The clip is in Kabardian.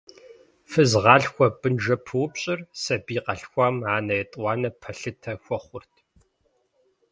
Фызгъалъхуэ–бынжэпыупщӏыр сабий къалъхуам анэ етӏуанэ пэлъытэ хуэхъурт.